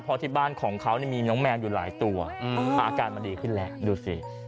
เพราะที่บ้านของเขามีน้องแมวอยู่หลายตัวอาการมันดีขึ้นแล้วดูสิ